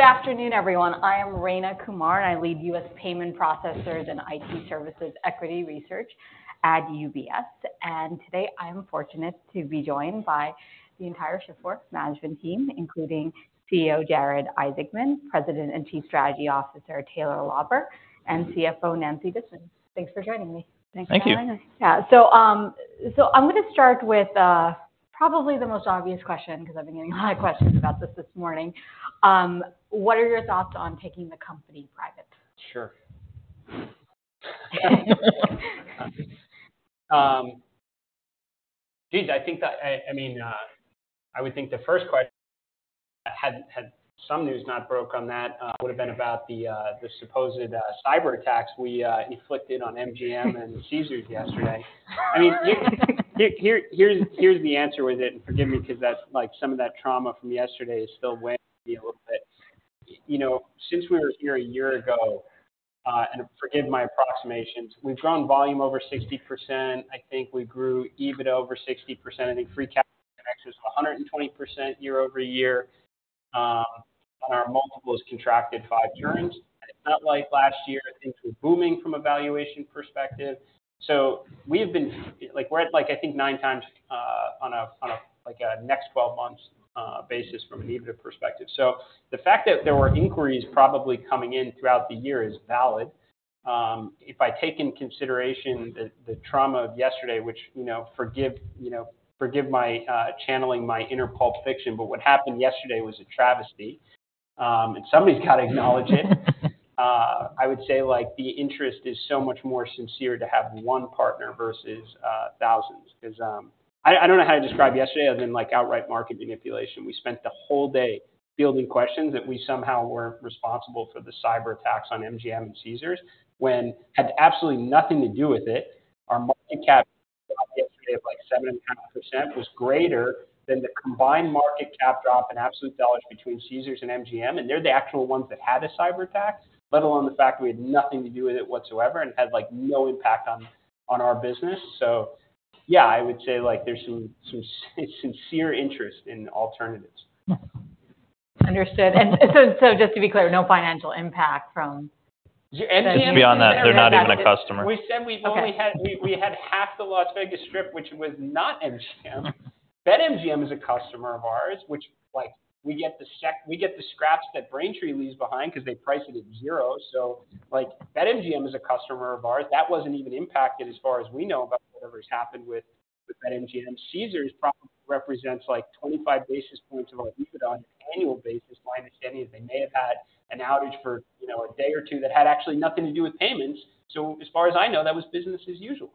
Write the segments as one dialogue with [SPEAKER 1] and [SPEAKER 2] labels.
[SPEAKER 1] Good afternoon, everyone. I am Rayna Kumar, and I lead US Payment Processors and IT Services Equity Research at UBS. Today, I'm fortunate to be joined by the entire Shift4 Payments management team, including CEO Jared Isaacman, President and Chief Strategy Officer Taylor Lauber, and CFO Nancy Disman. Thanks for joining me.
[SPEAKER 2] Thank you.
[SPEAKER 3] Thank you.
[SPEAKER 1] Yeah. So, I'm gonna start with probably the most obvious question, 'cause I've been getting a lot of questions about this morning. What are your thoughts on taking the company private?
[SPEAKER 2] Sure. Geez, I think that, I mean, I would think the first question, had some news not broke on that, would have been about the, the supposed, cyberattacks we inflicted on MGM and Caesars yesterday. I mean, here's the answer with it, and forgive me, because that's—like, some of that trauma from yesterday is still with me a little bit. You know, since we were here a year ago, and forgive my approximations, we've grown volume over 60%. I think we grew EBITDA over 60%. I think free cash flow was 120% year-over-year. And our multiples contracted five turns. And it's not like last year things were booming from a valuation perspective. So we've been like, we're at, like, I think nine times on a next 12 months basis from an EBITDA perspective. So the fact that there were inquiries probably coming in throughout the year is valid. If I take into consideration the trauma of yesterday, which, you know, forgive my channeling my inner Pulp Fiction, but what happened yesterday was a travesty, and somebody's got to acknowledge it. I would say, like, the interest is so much more sincere to have one partner versus thousands, because I don't know how to describe yesterday other than, like, outright market manipulation. We spent the whole day fielding questions that we somehow were responsible for the cyberattacks on MGM and Caesars, when had absolutely nothing to do with it. Our market cap yesterday of, like, 7.5% was greater than the combined market cap drop in absolute dollars between Caesars and MGM, and they're the actual ones that had a cyberattack, let alone the fact we had nothing to do with it whatsoever and had, like, no impact on our business. So yeah, I would say, like, there's some sincere interest in alternatives.
[SPEAKER 1] Understood. And so, just to be clear, no financial impact from-
[SPEAKER 3] Just to be on that, they're not even a customer.
[SPEAKER 2] We said we've only had-
[SPEAKER 1] Okay.
[SPEAKER 2] We had half the Las Vegas Strip, which was not MGM. BetMGM is a customer of ours, which, like, we get the scraps that Braintree leaves behind because they price it at zero. So, like, BetMGM is a customer of ours. That wasn't even impacted as far as we know, about whatever's happened with BetMGM. Caesars probably represents, like, 25 basis points of our EBITDA on an annual basis. My understanding is they may have had an outage for, you know, a day or two that had actually nothing to do with payments. So as far as I know, that was business as usual.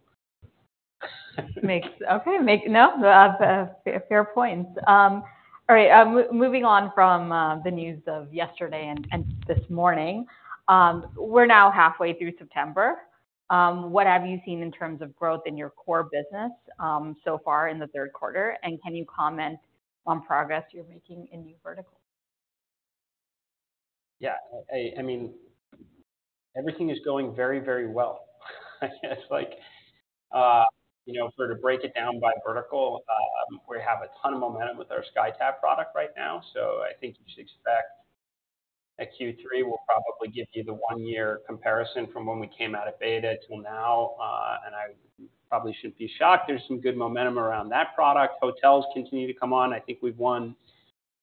[SPEAKER 1] No, that's a fair point. All right, moving on from the news of yesterday and this morning. We're now halfway through September. What have you seen in terms of growth in your core business so far in the third quarter? And can you comment on progress you're making in new verticals?
[SPEAKER 2] Yeah, I mean, everything is going very, very well. It's like, you know, if we were to break it down by vertical, we have a ton of momentum with our SkyTab product right now, so I think you should expect a Q3 will probably give you the one-year comparison from when we came out of beta till now. I probably shouldn't be shocked, there's some good momentum around that product. Hotels continue to come on. I think we've won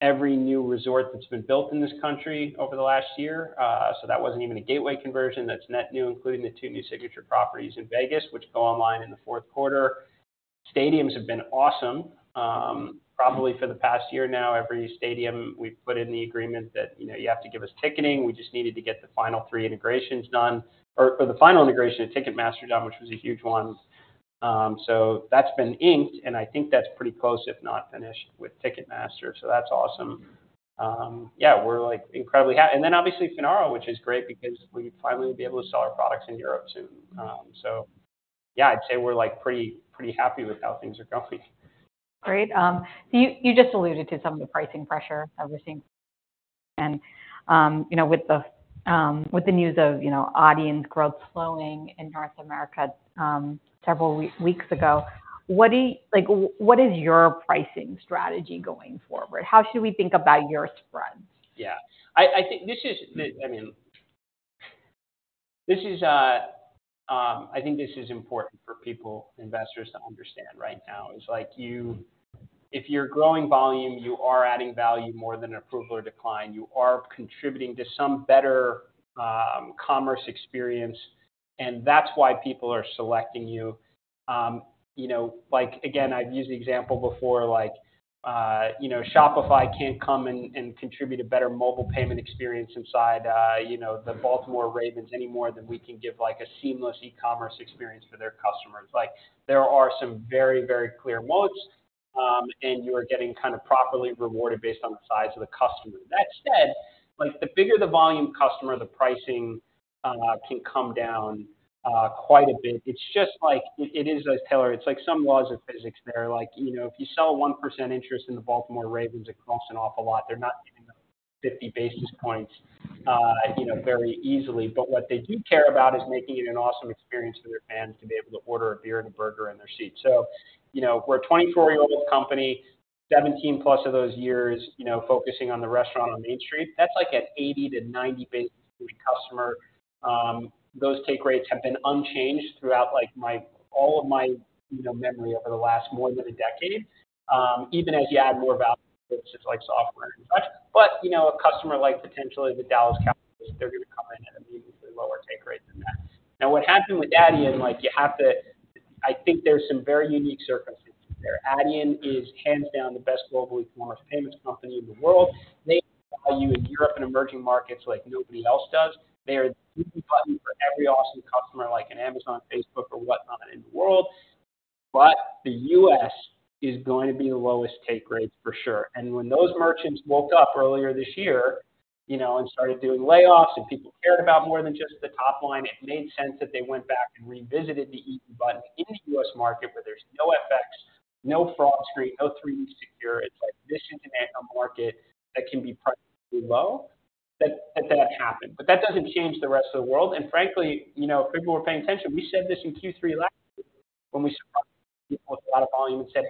[SPEAKER 2] every new resort that's been built in this country over the last year. So that wasn't even a gateway conversion, that's net new, including the two new signature properties in Vegas, which go online in the Q4. Stadiums have been awesome. Probably for the past year now, every stadium we've put in the agreement that, you know, you have to give us ticketing. We just needed to get the final three integrations done or the final integration of Ticketmaster done, which was a huge one. So that's been inked, and I think that's pretty close, if not finished, with Ticketmaster, so that's awesome. Yeah, we're, like, incredibly happy. Then obviously, Finaro, which is great because we finally will be able to sell our products in Europe soon. So yeah, I'd say we're, like, pretty, pretty happy with how things are going.
[SPEAKER 1] Great. You just alluded to some of the pricing pressure that we're seeing, and, you know, with the news of, you know, Adyen's growth slowing in North America, several weeks ago, what do you like, what is your pricing strategy going forward? How should we think about your spreads?
[SPEAKER 2] Yeah. I mean, I think this is important for people, investors to understand right now. It's like if you're growing volume, you are adding value more than approval or decline. You are contributing to some better commerce experience, and that's why people are selecting you. You know, like, again, I've used the example before, like, you know, Shopify can't come and contribute a better mobile payment experience inside, you know, the Baltimore Ravens any more than we can give, like, a seamless e-commerce experience for their customers. Like, there are some very, very clear moats, and you are getting kind of properly rewarded based on the size of the customer. That said, like, the bigger the volume customer, the pricing can come down quite a bit. It's just like, it is as Taylor-- It's like some laws of physics there. Like, you know, if you sell a 1% interest in the Baltimore Ravens, it costs an awful lot. They're not giving them 50 basis points, you know, very easily, but what they do care about is making it an awesome experience for their fans to be able to order a beer and a burger in their seat. So, you know, we're a 24-year-old company, 17+ of those years, you know, focusing on the restaurant on Main Street. That's like an 80-90 basis customer, those take rates have been unchanged throughout, like, my, all of my, you know, memory over the last more than a decade, even as you add more value, such like software and such. But, you know, a customer like potentially the Dallas Cowboys, they're going to come in at a meaningfully lower take rate than that. Now, what happened with Adyen, like, you have to-- I think there's some very unique circumstances there. Adyen is hands down the best global e-commerce payments company in the world. They value in Europe and emerging markets like nobody else does. They are the button for every awesome customer, like an Amazon, Facebook or whatnot in the world. But the U.S. is going to be the lowest take rates for sure. And when those merchants woke up earlier this year, you know, and started doing layoffs, and people cared about more than just the top line, it made sense that they went back and revisited the easy button in the US market, where there's no FX, no fraud screen, no 3D Secure. It's like this is an end market that can be priced really low, that, that happened. But that doesn't change the rest of the world. And frankly, you know, if people were paying attention, we said this in Q3 last year when we surprised people with a lot of volume and said,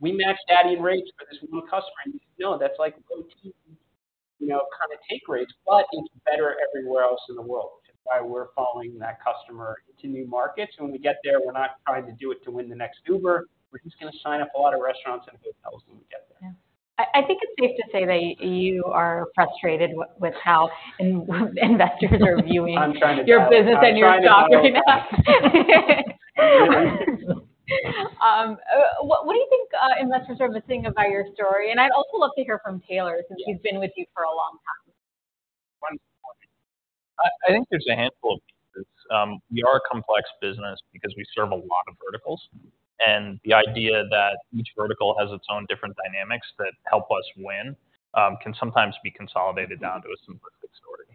[SPEAKER 2] "We match Adyen rates for this one customer." And you know, that's like, you know, kind of take rates, but it's better everywhere else in the world. That's why we're following that customer into new markets, and when we get there, we're not trying to do it to win the next Uber. We're just going to sign up a lot of restaurants and hotels when we get there.
[SPEAKER 1] Yeah. I think it's safe to say that you are frustrated with how investors are viewing-
[SPEAKER 2] I'm trying to-
[SPEAKER 1] Your business and your stock right now. What do you think investors are missing about your story? And I'd also love to hear from Taylor since she's been with you for a long time.
[SPEAKER 2] Wonderful.
[SPEAKER 3] I think there's a handful of pieces. We are a complex business because we serve a lot of verticals, and the idea that each vertical has its own different dynamics that help us win can sometimes be consolidated down to a simplistic story.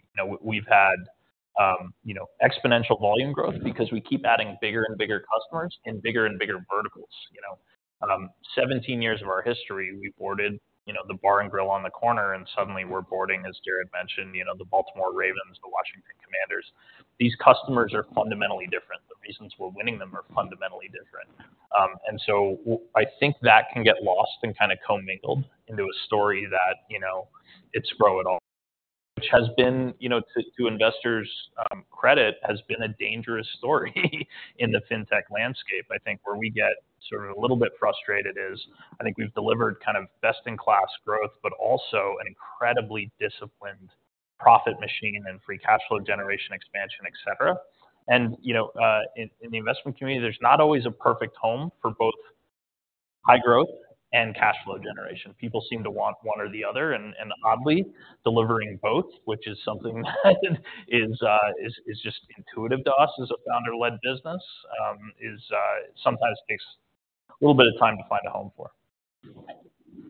[SPEAKER 3] You know, we've had, you know, exponential volume growth because we keep adding bigger and bigger customers in bigger and bigger verticals, you know. 17 years of our history, we boarded, you know, the bar and grill on the corner, and suddenly we're boarding, as Jared mentioned, you know, the Baltimore Ravens, the Washington Commanders. These customers are fundamentally different. The reasons we're winning them are fundamentally different. I think that can get lost and kind of commingled into a story that, you know, it's growth at all, which has been, you know, to investors' credit, has been a dangerous story in the fintech landscape. I think where we get sort of a little bit frustrated is, I think we've delivered kind of best-in-class growth, but also an incredibly disciplined profit machine and free cash flow generation, expansion, et cetera. And, you know, in the investment community, there's not always a perfect home for both high growth and cash flow generation. People seem to want one or the other, and oddly, delivering both, which is something that is just intuitive to us as a founder-led business, sometimes takes a little bit of time to find a home for.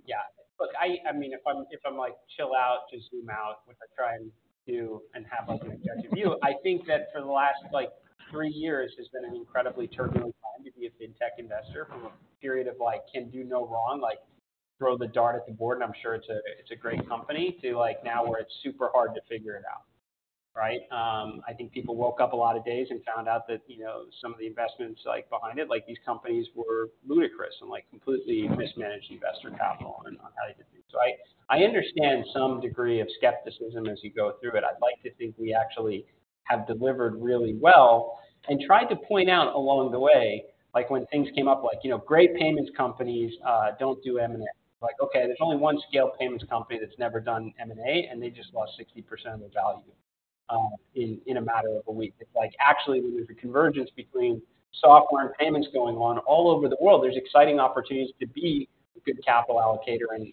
[SPEAKER 2] Yeah. Look, I mean, if I'm like, chill out, just zoom out, which I try and do and have like an objective view, I think that for the last, like, three years has been an incredibly turbulent time to be a fintech investor. From a period of, like, can do no wrong, like, throw the dart at the board, and I'm sure it's a great company, to, like, now, where it's super hard to figure it out, right? I think people woke up a lot of days and found out that, you know, some of the investments, like, behind it, like, these companies were ludicrous and, like, completely mismanaged investor capital and on how they did it. So I understand some degree of skepticism as you go through it. I'd like to think we actually have delivered really well and tried to point out along the way, like, when things came up, like, you know, great payments companies don't do M&A. Like, okay, there's only one scale payments company that's never done M&A, and they just lost 60% of their value in a matter of a week. It's like, actually, there's a convergence between software and payments going on all over the world. There's exciting opportunities to be a good capital allocator and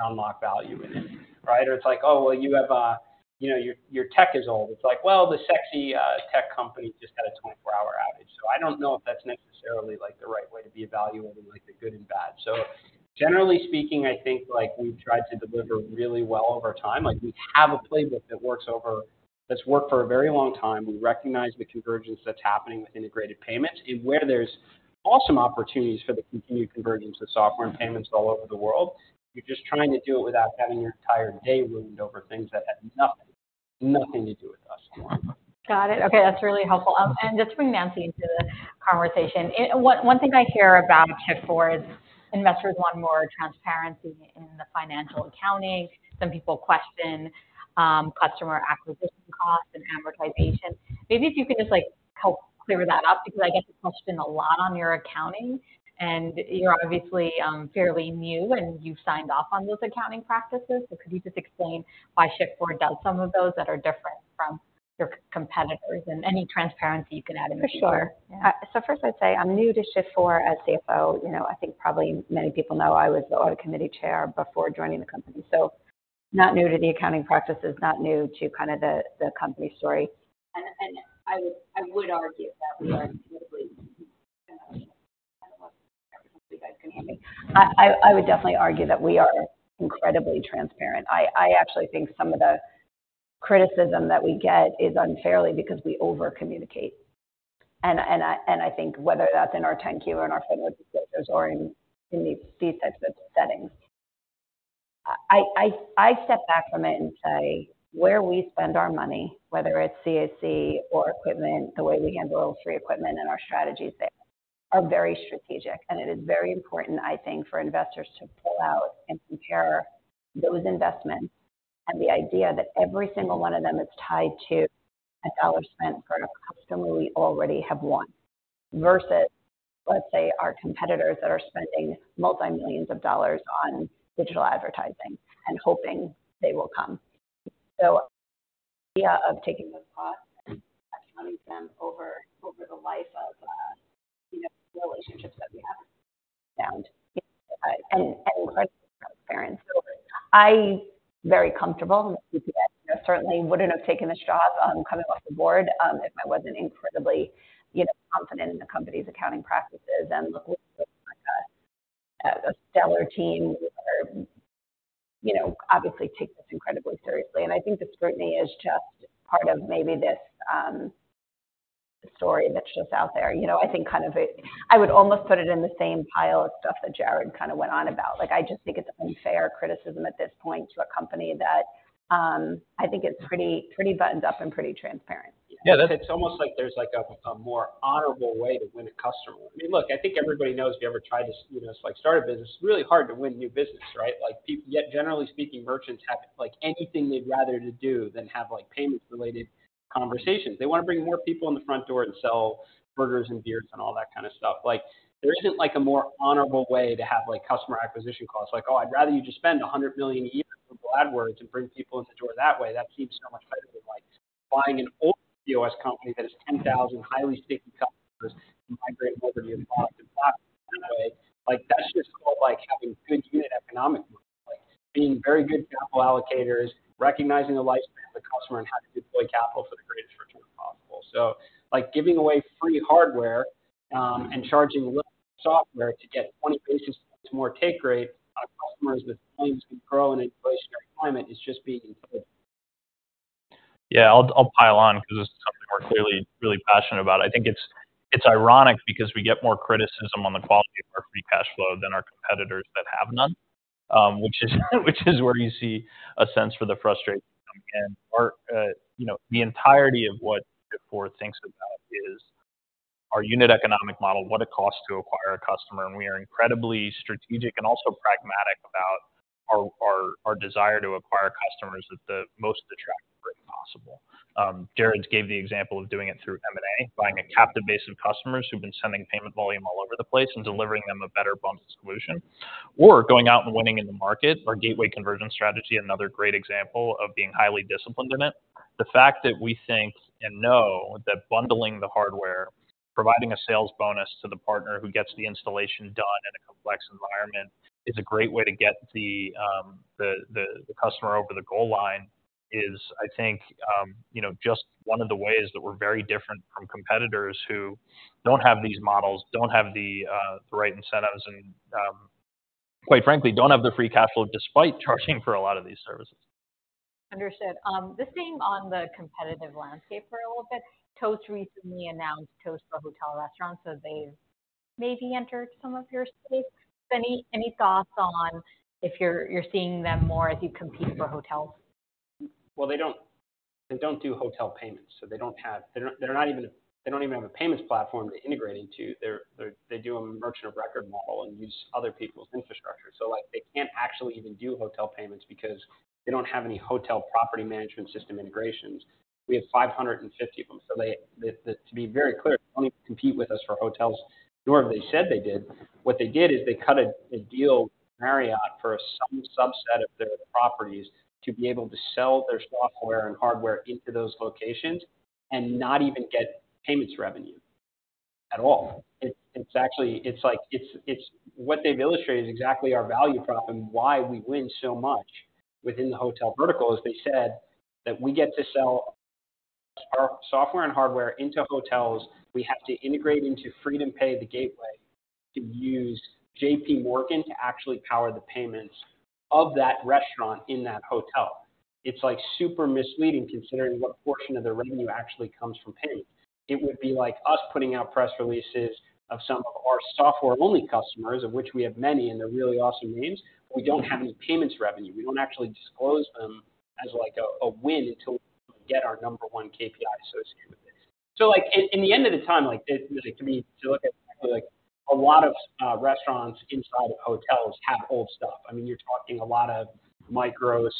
[SPEAKER 2] unlock value in it, right? Or it's like, Oh, well, you have, you know, your tech is old. It's like, well, the sexy tech company just had a 24-hour outage, so I don't know if that's necessarily, like, the right way to be evaluating, like, the good and bad. So generally speaking, I think, like, we've tried to deliver really well over time. Like, we have a playbook that's worked for a very long time. We recognize the convergence that's happening with integrated payments and where there's awesome opportunities for the continued convergence of software and payments all over the world. You're just trying to do it without having your entire day ruined over things that have nothing, nothing to do with us.
[SPEAKER 1] Got it. Okay, that's really helpful. And just to bring Nancy into the conversation, one thing I hear about Shift4 is investors want more transparency in the financial accounting. Some people question customer acquisition costs and advertisement. Maybe if you can just, like, help clear that up, because I get the question a lot on your accounting, and you're obviously fairly new, and you've signed off on those accounting practices. So could you just explain why Shift4 does some of those that are different from your competitors and any transparency you can add in?
[SPEAKER 4] For sure.
[SPEAKER 1] Yeah.
[SPEAKER 4] So first I'd say I'm new to Shift4 as CFO. You know, I think probably many people know I was the audit committee chair before joining the company, so not new to the accounting practices, not new to kind of the, the company story. And I would argue that we are incredibly, I don't know if you guys can hear me. I would definitely argue that we are incredibly transparent. I actually think some of the criticism that we get is unfairly because we overcommunicate. I think whether that's in our 10-Q or in our footnotes, or in these types of settings. I step back from it and say, where we spend our money, whether it's CAC or equipment, the way we handle free equipment and our strategies there, are very strategic. And it is very important, I think, for investors to pull out and compare those investments, and the idea that every single one of them is tied to a dollar spent for a customer we already have won, versus, let's say, our competitors that are spending multi-millions of dollars on digital advertising and hoping they will come. So the idea of taking the cost and counting them over the life of, you know, the relationships that we have found. Frankly, I feel very comfortable. I certainly wouldn't have taken this job coming off the board if I wasn't incredibly, you know, confident in the company's accounting practices and with a stellar team or, you know, obviously take this incredibly seriously. And I think the scrutiny is just part of maybe this story that's just out there. You know, I think kind of it—I would almost put it in the same pile of stuff that Jared kind of went on about. Like, I just think it's unfair criticism at this point to a company that I think it's pretty, pretty buttoned up and pretty transparent.
[SPEAKER 2] Yeah, that it's almost like there's, like, a more honorable way to win a customer. I mean, look, I think everybody knows if you ever tried to, you know, like, start a business, it's really hard to win new business, right? Like, people—yet generally speaking, merchants have, like, anything they'd rather to do than have, like, payments-related conversations. They want to bring more people in the front door and sell burgers and beers and all that kind of stuff. Like, there isn't, like, a more honorable way to have, like, customer acquisition costs. Like, oh, I'd rather you just spend $100 million a year for AdWords and bring people into the door that way. That keeps so much better than, like, buying an old POS company that has 10,000 highly sticky customers and migrate over to your platform that way. Like, that's just called, like, having good unit economics, like, being very good capital allocators, recognizing the lifespan of the customer and how to deploy capital for the greatest return possible. So, like, giving away free hardware, and charging a little software to get 20 basis points more take rate on customers that can grow in an inflationary climate, is just being intelligent.
[SPEAKER 3] Yeah, I'll pile on because this is something we're clearly really passionate about. I think it's ironic because we get more criticism on the quality of our free cash flow than our competitors that have none, which is where you see a sense for the frustration. And our, you know, the entirety of what Shift4 thinks about is our unit economic model, what it costs to acquire a customer, and we are incredibly strategic and also pragmatic about our desire to acquire customers at the most attractive rate possible. Jared gave the example of doing it through M&A, buying a captive base of customers who've been sending payment volume all over the place and delivering them a better bundled solution, or going out and winning in the market. Our gateway conversion strategy, another great example of being highly disciplined in it. The fact that we think and know that bundling the hardware, providing a sales bonus to the partner who gets the installation done in a complex environment, is a great way to get the customer over the goal line is, I think, you know, just one of the ways that we're very different from competitors who don't have these models, don't have the right incentives, and quite frankly, don't have the free cash flow, despite charging for a lot of these services.
[SPEAKER 1] Understood. Just staying on the competitive landscape for a little bit. Toast recently announced Toast for hotel restaurants, so they've maybe entered some of your space. Any thoughts on if you're seeing them more as you compete for hotels?
[SPEAKER 2] Well, they don't do hotel payments, so they don't have. They're not even. They don't even have a payments platform to integrate into. They do a merchant of record model and use other people's infrastructure. So, like, they can't actually even do hotel payments because they don't have any hotel property management system integrations. We have 550 of them. So, to be very clear, they don't compete with us for hotels, nor have they said they did. What they did is they cut a deal with Marriott for some subset of their properties to be able to sell their software and hardware into those locations and not even get payments revenue at all. It's actually like what they've illustrated is exactly our value prop and why we win so much within the hotel vertical. They said that we get to sell our software and hardware into hotels. We have to integrate into FreedomPay, the gateway, to use JPMorgan to actually power the payments of that restaurant in that hotel. It's like super misleading, considering what portion of their revenue actually comes from payments. It would be like us putting out press releases of some of our software-only customers, of which we have many, and they're really awesome names, but we don't have any payments revenue. We don't actually disclose them as like a win until we get our number one KPI associated with it. So, like, in the end of the time, like, to me, to look at, like, a lot of restaurants inside of hotels have old stuff. I mean, you're talking a lot of Micros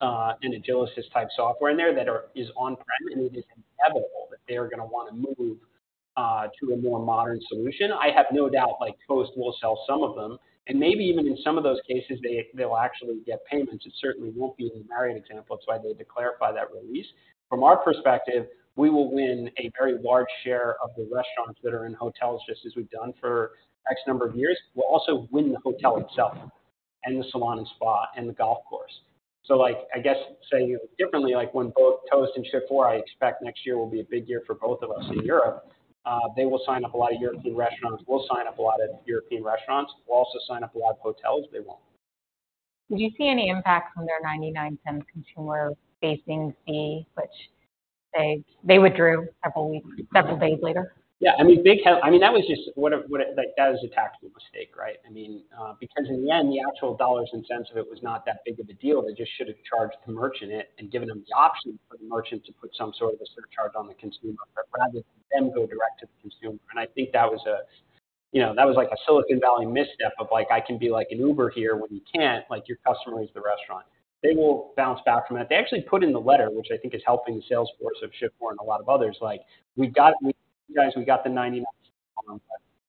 [SPEAKER 2] and Agilysys-type software in there that is on-prem, and it is inevitable that they are gonna want to move to a more modern solution. I have no doubt, like, Toast will sell some of them, and maybe even in some of those cases, they'll actually get payments. It certainly won't be the Marriott example, that's why they had to clarify that release. From our perspective, we will win a very large share of the restaurants that are in hotels, just as we've done for X number of years. We'll also win the hotel itself, and the salon and spa, and the golf course. So, like, I guess saying it differently, like, when both Toast and Shift4, I expect next year will be a big year for both of us in Europe, they will sign up a lot of European restaurants. We'll sign up a lot of European restaurants. We'll also sign up a lot of hotels, they won't.
[SPEAKER 1] Do you see any impact from their $0.99 consumer-facing fee, which they, they withdrew several weeks, several days later?
[SPEAKER 2] Yeah, I mean, big help. I mean, that was just like, that was a tactical mistake, right? I mean, because in the end, the actual dollars and cents of it was not that big of a deal. They just should have charged the merchant it and given them the option for the merchant to put some sort of a surcharge on the consumer rather than them go direct to the consumer. And I think that was a, you know, that was like a Silicon Valley misstep of like, I can be like an Uber here when you can't. Like, your customer is the restaurant. They will bounce back from it. They actually put in the letter, which I think is helping the sales force of Shift4 and a lot of others. Like, we got you guys, we got the $00.99, but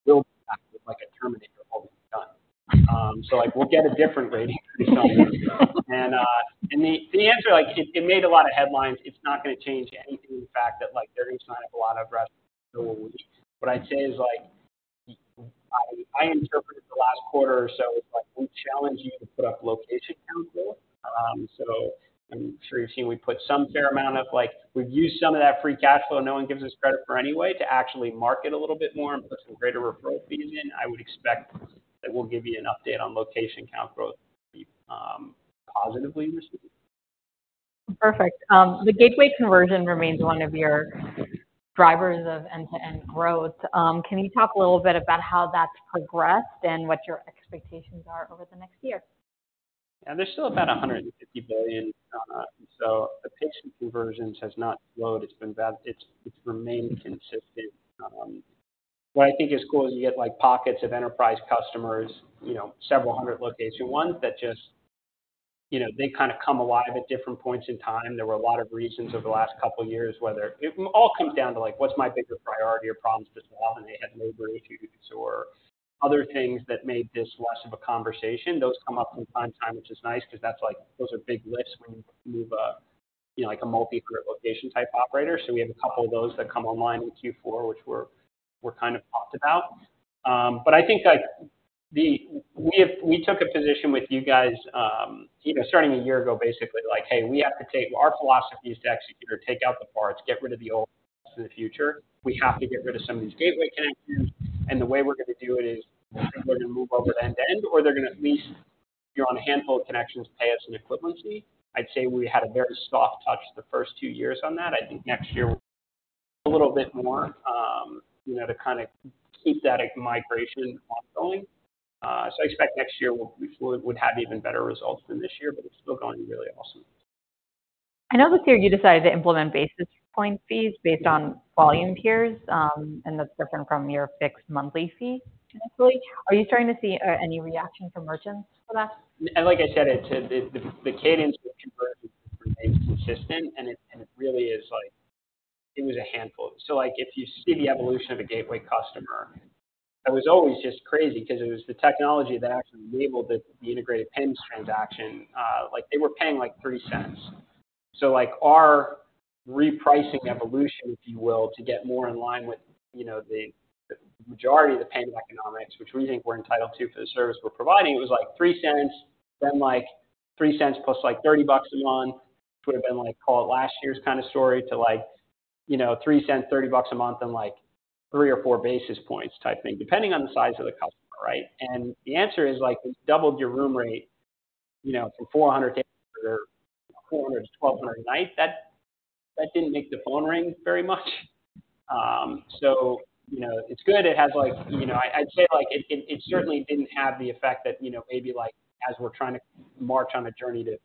[SPEAKER 2] we'll be back with, like, a terminator when we're done. So, like, we'll get a different rating from somewhere. And the answer, like, it made a lot of headlines. It's not going to change anything in the fact that, like, they're going to sign up a lot of restaurants. What I'd say is, like, I interpreted the last quarter or so as, like, we challenge you to put up location count growth. So I'm sure you've seen we put some fair amount of, like, we've used some of that free cash flow no one gives us credit for anyway to actually market a little bit more and put some greater referral fees in. I would expect that we'll give you an update on location count growth, positively received.
[SPEAKER 1] Perfect. The gateway conversion remains one of your drivers of end-to-end growth. Can you talk a little bit about how that's progressed and what your expectations are over the next year?
[SPEAKER 2] Yeah, there's still about $150 billion, so the payment conversions has not slowed. It's been about, it's, it's remained consistent. What I think is cool is you get, like, pockets of enterprise customers, you know, several hundred location ones that just, you know, they kind of come alive at different points in time. There were a lot of reasons over the last couple of years, whether It all comes down to, like, what's my bigger priority or problems to solve, and they had labor issues or other things that made this less of a conversation. Those come up from time to time, which is nice because that's like, those are big lifts when you move a, you know, like a multi-group location type operator. So we have a couple of those that come online in Q4, which we're, we're kind of pumped about. But I think, like, we took a position with you guys, you know, starting a year ago, basically like, hey, we have to take our philosophies to execute or take out the parts, get rid of the old in the future. We have to get rid of some of these gateway connections, and the way we're going to do it is they're going to move over to end-to-end, or they're going to at least, if you're on a handful of connections, pay us an equivalency. I'd say we had a very soft touch the first two years on that. I think next year, a little bit more, you know, to kind of keep that migration ongoing. So I expect next year we'll, we would have even better results than this year, but it's still going really awesome.
[SPEAKER 1] I know this year you decided to implement basis point fees based on volume tiers, and that's different from your fixed monthly fee. Are you starting to see any reaction from merchants to that?
[SPEAKER 2] And like I said, the cadence remains consistent, and it really is like, it was a handful. So, like, if you see the EVOlution of a gateway customer, that was always just crazy because it was the technology that actually enabled the integrated PINs transaction. Like, they were paying, like, $0.03. So, like, our repricing EVOlution, if you will, to get more in line with, you know, the majority of the payment economics, which we think we're entitled to for the service we're providing, it was, like, $0.03, then, like, $0.03+ like, $30 a month, which would have been like, call it last year's kind of story, to like, you know, $0.03, $30 a month and, like, three or four basis points type thing, depending on the size of the customer, right? The answer is, like, we doubled your room rate, you know, from $400-$1,200 a night. That didn't make the phone ring very much. So, you know, it's good. It has like, you know, I'd say, like, it certainly didn't have the effect that, you know, maybe like, as we're trying to march on a journey to,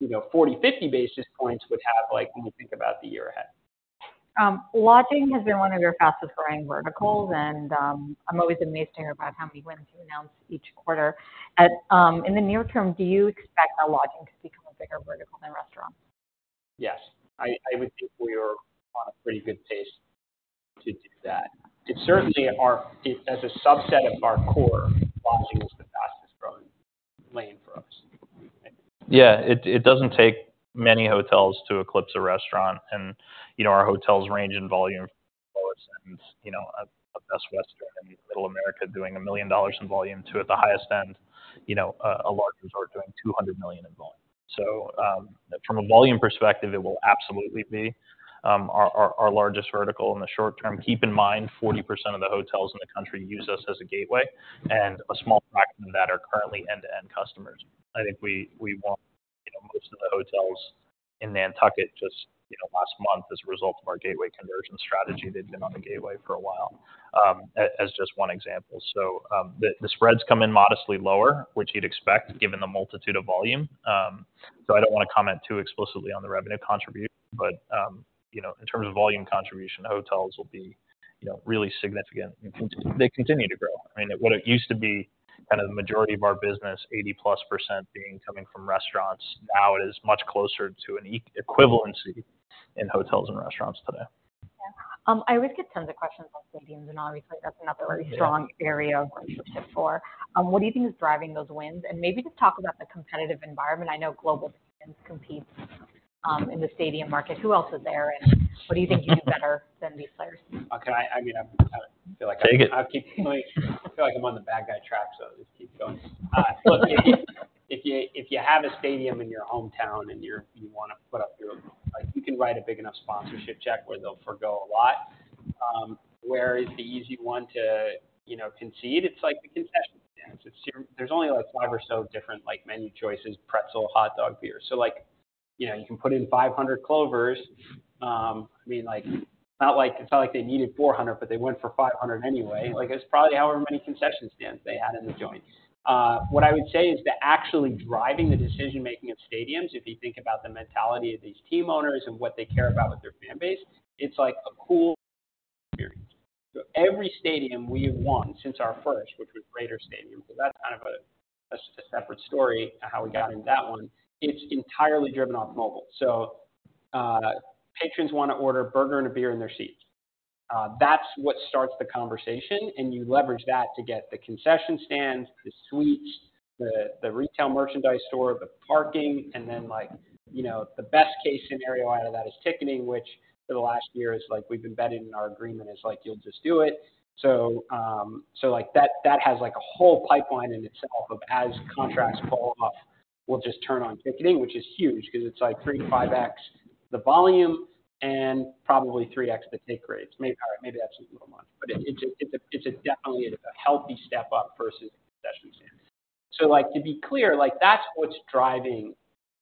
[SPEAKER 2] you know, 40-50 basis points would have, like, when you think about the year ahead.
[SPEAKER 1] Lodging has been one of your fastest growing verticals, and I'm always amazed to hear about how many wins you announce each quarter. In the near term, do you expect the lodging to become a bigger vertical than restaurants?
[SPEAKER 2] Yes, I would think we are on a pretty good pace to do that. It certainly, as a subset of our core, lodging is the fastest growing lane for us.
[SPEAKER 3] Yeah, it doesn't take many hotels to eclipse a restaurant. And, you know, our hotels range in volume, you know, a Best Western in middle America doing $1 million in volume to, at the highest end, you know, a large resort doing $200 million in volume. So, from a volume perspective, it will absolutely be our largest vertical in the short term. Keep in mind, 40% of the hotels in the country use us as a gateway, and a small fraction of that are currently end-to-end customers. I think we want, you know, most of the hotels in Nantucket just, you know, last month as a result of our gateway conversion strategy. They've been on the gateway for a while, as just one example. So, the spreads come in modestly lower, which you'd expect given the multitude of volume. So I don't want to comment too explicitly on the revenue contribution, but, you know, in terms of volume contribution, hotels will be, you know, really significant. They continue to grow. I mean, what it used to be kind of the majority of our business, 80%+ being coming from restaurants. Now it is much closer to an equivalency in hotels and restaurants today.
[SPEAKER 1] I always get tons of questions on stadiums, and obviously, that's another very strong area of focus for. What do you think is driving those wins? And maybe just talk about the competitive environment. I know Global competes in the stadium market. Who else is there, and what do you think you do better than these players?
[SPEAKER 2] Okay. I mean, I feel like-
[SPEAKER 3] Take it.
[SPEAKER 2] I feel like I'm on the bad guy trap, so just keep going. Look, if you, if you, if you have a stadium in your hometown and you're - you want to put up your, like, you can write a big enough sponsorship check where they'll forgo a lot... where is the easy one to, you know, concede? It's like the concession stands. It's - there's only, like, five or so different, like, menu choices, pretzel, hot dog, beer. So like, you know, you can put in 500 Clovers. I mean, like, not like - it's not like they needed 400, but they went for 500 anyway. Like, it's probably however many concession stands they had in the joint. What I would say is that actually driving the decision-making of stadiums, if you think about the mentality of these team owners and what they care about with their fan base, it's like a cool experience. So every stadium we have won since our first, which was Raiders Stadium, so that's kind of a separate story of how we got into that one, it's entirely driven off mobile. So patrons want to order a burger and a beer in their seats. That's what starts the conversation, and you leverage that to get the concession stands, the suites, the retail merchandise store, the parking, and then, like, you know, the best-case scenario out of that is ticketing, which for the last year is, like, we've embedded in our agreement, it's like, you'll just do it. So, so like that, that has, like, a whole pipeline in itself of as contracts fall off, we'll just turn on ticketing, which is huge because it's like 3x-5x the volume, and probably 3x the take rates. All right, maybe that's a little much, but it's a, it's a, it's definitely a healthy step up versus concession stands. So like, to be clear, like, that's what's driving,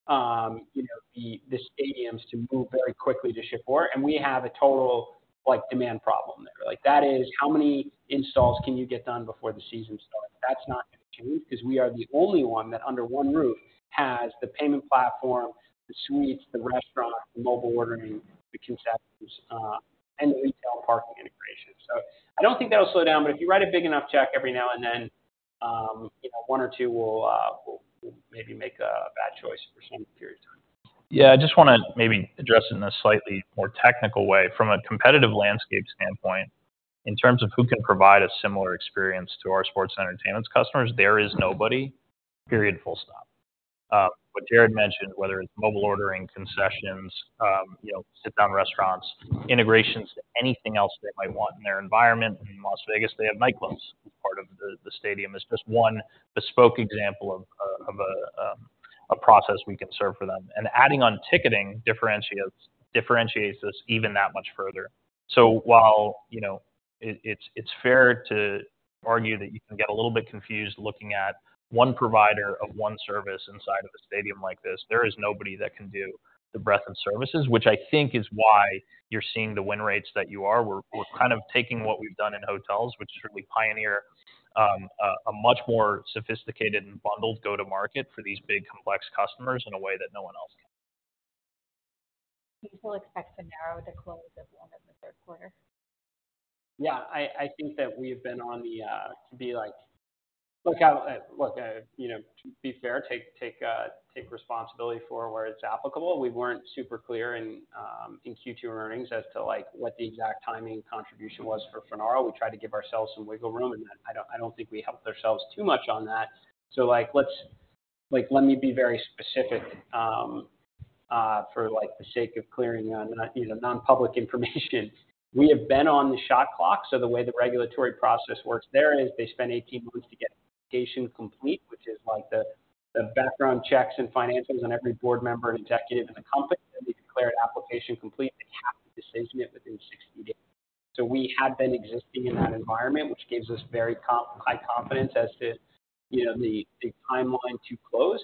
[SPEAKER 2] you know, the, the stadiums to move very quickly to Shift4, and we have a total, like, demand problem there. Like, that is, how many installs can you get done before the season starts? That's not an issue, because we are the only one that under one roof has the payment platform, the suites, the restaurant, the mobile ordering, the concessions, and the retail and parking integration. So I don't think that'll slow down, but if you write a big enough check every now and then, you know, one or two will maybe make a bad choice for some period of time.
[SPEAKER 3] Yeah, I just want to maybe address it in a slightly more technical way. From a competitive landscape standpoint, in terms of who can provide a similar experience to our sports and entertainment customers, there is nobody, period, full stop. What Jared mentioned, whether it's mobile ordering, concessions, you know, sit-down restaurants, integrations to anything else they might want in their environment. In Las Vegas, they have nightclubs, part of the stadium. It's just one bespoke example of a process we can serve for them, and adding on ticketing differentiates us even that much further. So while, you know, it's fair to argue that you can get a little bit confused looking at one provider of one service inside of a stadium like this, there is nobody that can do the breadth of services, which I think is why you're seeing the win rates that you are. We're kind of taking what we've done in hotels, which is really pioneer a much more sophisticated and bundled go-to-market for these big, complex customers in a way that no one else can.
[SPEAKER 1] Do you still expect to narrow the close of one in the third quarter?
[SPEAKER 2] Yeah, I think that we've been on the to be like, look, you know, to be fair, take responsibility for where it's applicable. We weren't super clear in Q2 earnings as to, like, what the exact timing contribution was for Finaro. We tried to give ourselves some wiggle room, and I don't think we helped ourselves too much on that. So, like, let me be very specific for, like, the sake of clearing on, you know, non-public information. We have been on the shot clock, so the way the regulatory process works there is they spend 18 months to get the application complete, which is like the background checks and financials on every board member and executive in the company. Then they declare an application complete, they have to decision it within 60 days. So we have been existing in that environment, which gives us very high confidence as to, you know, the timeline to close.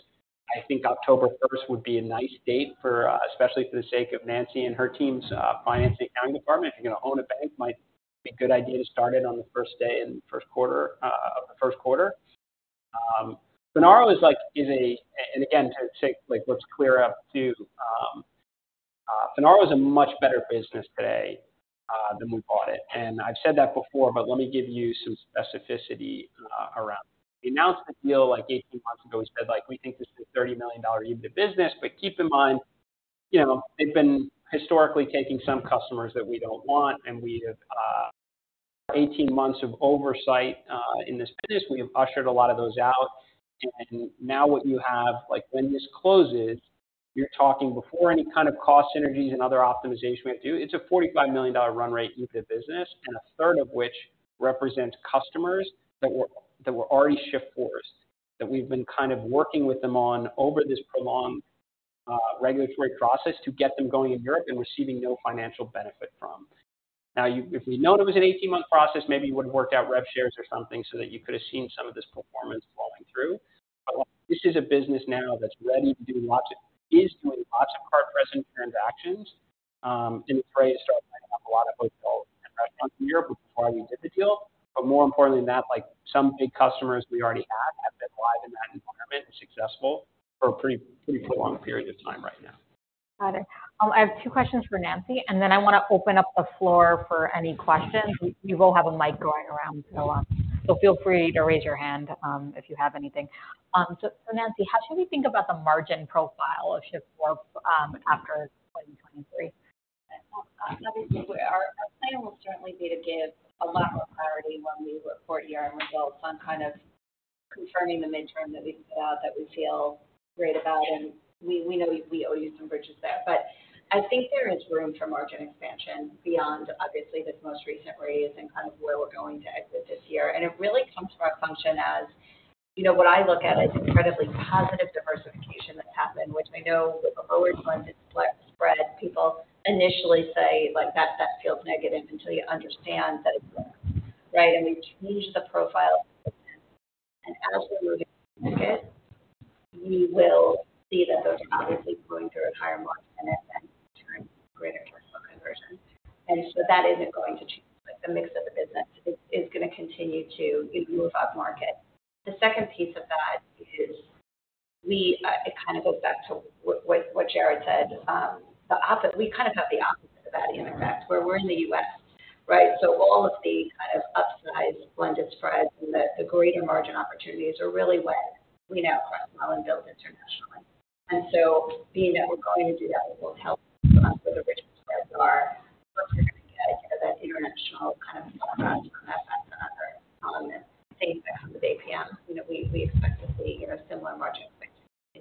[SPEAKER 2] I think October first would be a nice date for, especially for the sake of Nancy and her team's finance and accounting department. If you're going to own a bank, might be a good idea to start it on the first day in the first quarter of the first quarter. Finaro is. And again, to take, like, let's clear up too, Finaro is a much better business today than we bought it. And I've said that before, but let me give you some specificity around it. We announced the deal, like, 18 months ago. We said, like, "We think this is a $30 million EBITDA business," but keep in mind, you know, they've been historically taking some customers that we don't want, and we have 18 months of oversight in this business. We have ushered a lot of those out, and now what you have, like, when this closes, you're talking before any kind of cost synergies and other optimization we do, it's a $45 million run rate EBITDA business, and a third of which represents customers that were, that were already Shift4's, that we've been kind of working with them on over this prolonged regulatory process to get them going in Europe and receiving no financial benefit from. Now, you, if we'd known it was an 18-month process, maybe we would have worked out rep shares or something so that you could have seen some of this performance flowing through. But look, this is a business now that's ready to do lots of, is doing lots of card-present transactions, and we're ready to start lighting up a lot of hotel and restaurants in Europe, which is why we did the deal. But more importantly than that, like, some big customers we already have, have been live in that environment and successful for a pretty, pretty prolonged period of time right now.
[SPEAKER 1] Got it. I have two questions for Nancy, and then I want to open up the floor for any questions. We will have a mic going around, so feel free to raise your hand if you have anything. So, Nancy, how should we think about the margin profile of Shift4 after 2023?
[SPEAKER 4] Well, obviously, our plan will certainly be to give a lot more priority when we report ER and results on kind of confirming the mid-term that we put out that we feel great about, and we know we owe you some bridges there. But I think there is room for margin expansion beyond obviously this most recent raise and kind of where we're going to exit this year. And it really comes from our function as, you know, what I look at as incredibly positive differ which I know with a lower blended spread, people initially say, like, that feels negative until you understand that it's right. And we change the profile, and as we move it, we will see that those customers is going to require more than an end-to-end, greater customer conversion. And so that isn't going to change. The mix of the business is going to continue to move upmarket. The second piece of that is we, it kind of goes back to what Jared said. The opposite, we kind of have the opposite of that effect, where we're in the U.S., right? So all of the kind of upsized blended spreads and the greater margin opportunities are really what we know across well and built internationally. And so being that we're going to do that, it will help us where the rich spreads are, what you're going to get as an international kind of element with APM. You know, we expect to see similar margin expectations.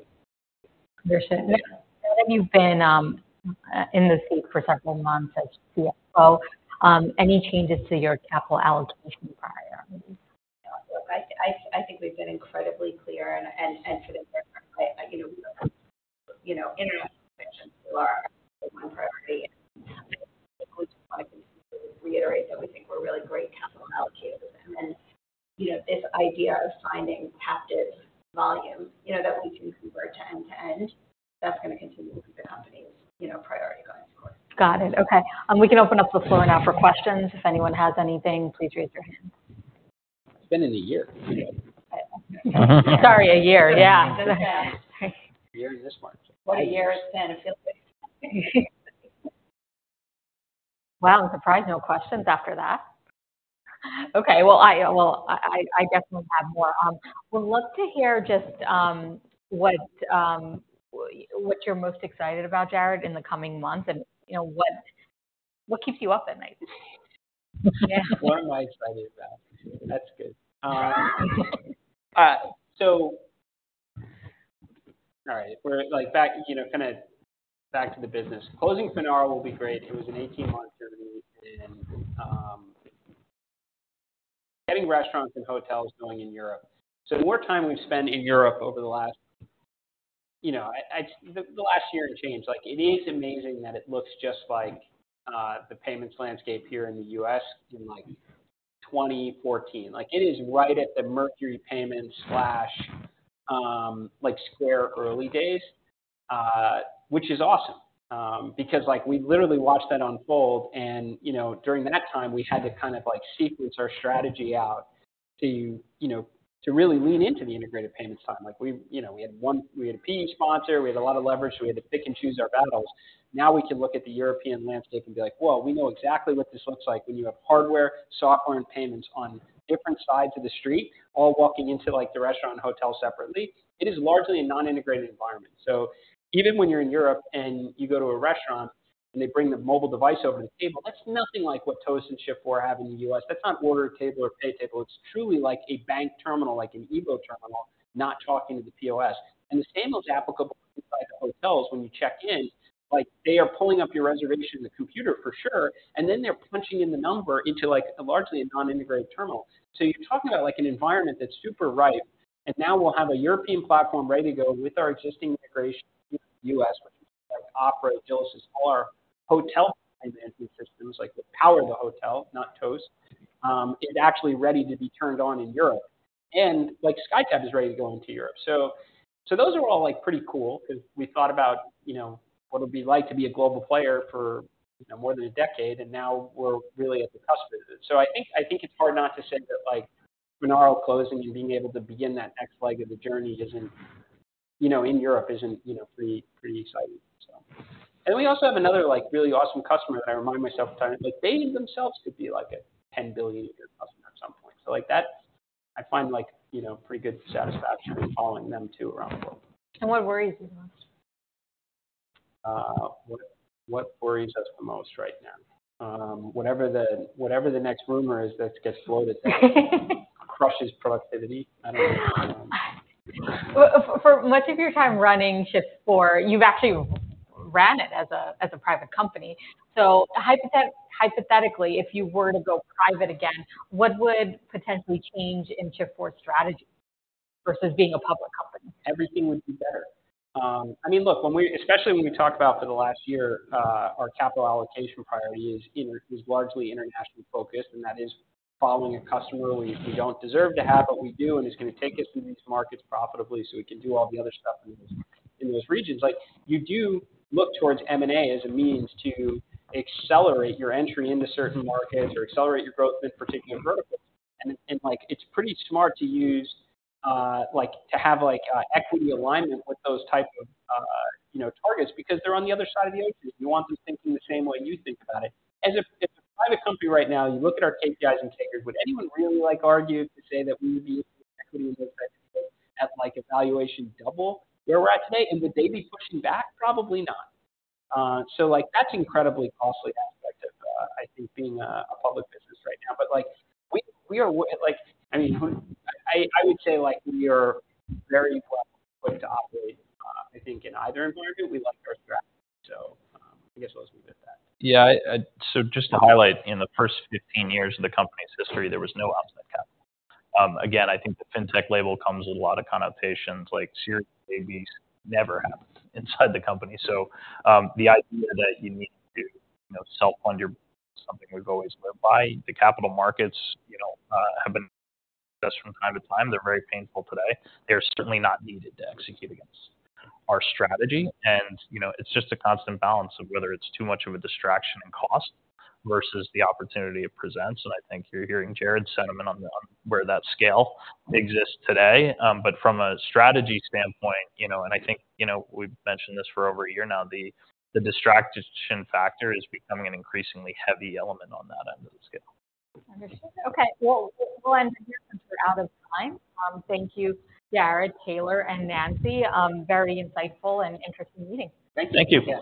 [SPEAKER 1] You've been in the seat for several months as CFO. Any changes to your capital allocation prior?
[SPEAKER 4] I think we've been incredibly clear and to the, you know, international is our one priority. I just want to reiterate that we think we're really great capital allocators. You know, this idea of finding captive volume, you know, that we can convert to end-to-end, that's going to continue to be the company's, you know, priority going forward.
[SPEAKER 1] Got it. Okay. We can open up the floor now for questions. If anyone has anything, please raise your hand.
[SPEAKER 2] It's been in a year.
[SPEAKER 1] Sorry, a year, yeah.
[SPEAKER 2] A year this March.
[SPEAKER 4] What a year it's been. It feels like.
[SPEAKER 1] Well, I'm surprised no questions after that. Okay, well, I guess we'll have more. Would love to hear just what you're most excited about, Jared, in the coming months, and, you know, what keeps you up at night?
[SPEAKER 2] What am I excited about? That's good. All right, we're like back, you know, kinda back to the business. Closing Finaro will be great. It was an 18-month journey in getting restaurants and hotels going in Europe. So the more time we've spent in Europe over the last, you know, I, I, the, the last year and change, like, it is amazing that it looks just like the payments landscape here in the U.S. in, like, 2014. Like, it is right at the Mercury Payment, like, Square early days, which is awesome, because, like, we literally watched that unfold and, you know, during that time, we had to kind of like sequence our strategy out to, you know, to really lean into the integrated payments time. Like, you know, we had a PE sponsor, we had a lot of leverage, so we had to pick and choose our battles. Now, we can look at the European landscape and be like, "Well, we know exactly what this looks like when you have hardware, software, and payments on different sides of the street, all walking into, like, the restaurant and hotel separately." It is largely a non-integrated environment. So even when you're in Europe and you go to a restaurant, and they bring the mobile device over to the table, that's nothing like what Toast and Shift4 have in the U.S. That's not order, table, or pay table. It's truly like a bank terminal, like an EVO terminal, not talking to the POS. And the same goes applicable inside the hotels when you check in. Like, they are pulling up your reservation in the computer for sure, and then they're punching in the number into, like, a largely non-integrated terminal. So you're talking about, like, an environment that's super ripe, and now we'll have a European platform ready to go with our existing integration in the U.S., which is like Opera, Agilysys, all our hotel systems, like the power of the hotel, not Toast, is actually ready to be turned on in Europe. And like, SkyTab is ready to go into Europe. So those are all, like, pretty cool because we thought about, you know, what it'd be like to be a global player for, you know, more than a decade, and now we're really at the cusp of it. So I think, I think it's hard not to say that, like, Finaro closing and being able to begin that next leg of the journey isn't, you know, in Europe, isn't, you know, pretty, pretty exciting. So... And we also have another, like, really awesome customer that I remind myself of time. Like, they themselves could be like a $10 billion a year customer at some point. So like that, I find, like, you know, pretty good satisfaction following them, too, around the world.
[SPEAKER 1] What worries you the most?
[SPEAKER 2] What worries us the most right now? Whatever the next rumor is that gets floated crushes productivity. I don't know.
[SPEAKER 1] For much of your time running Shift4, you've actually ran it as a private company. So hypothetically, if you were to go private again, what would potentially change in Shift4's strategy versus being a public company?
[SPEAKER 2] Everything would be better. I mean, look, when we, especially when we talked about for the last year, our capital allocation priority is, is largely internationally focused, and that is following a customer we, we don't deserve to have, but we do, and it's going to take us through these markets profitably so we can do all the other stuff in those, in those regions. Like, you do look towards M&A as a means to accelerate your entry into certain markets or accelerate your growth in particular verticals. And, and like, it's pretty smart to use, like, to have, like, equity alignment with those type of, you know, targets because they're on the other side of the ocean. You want them thinking the same way you think about it. As a private company right now, you look at our cap guys and takers, would anyone really, like, argue to say that we would be equity in this idea at, like, a valuation double where we're at today? And would they be pushing back? Probably not. So like, that's an incredibly costly aspect of, I think, being a public business right now. But like, we are like, I mean, I would say, like, we are very well equipped to operate, I think, in either environment. We like our strategy, so I guess we'll just leave it at that.
[SPEAKER 3] Yeah, so just to highlight, in the first 15 years of the company's history, there was no outside capital. Again, I think the Fintech label comes with a lot of connotations, like series A, B's never happened inside the company. So, the idea that you need to, you know, self-fund your something we've always lived by. The Capital Markets, you know, have been with us from time to time. They're very painful today. They're certainly not needed to execute against our strategy. And, you know, it's just a constant balance of whether it's too much of a distraction and cost versus the opportunity it presents. And I think you're hearing Jared's sentiment on where that scale exists today. But from a strategy standpoint, you know, and I think, you know, we've mentioned this for over a year now, the distraction factor is becoming an increasingly heavy element on that end of the scale.
[SPEAKER 1] Understood. Okay, well, we'll end it here since we're out of time. Thank you, Jared, Taylor, and Nancy. Very insightful and interesting meeting.
[SPEAKER 3] Thank you.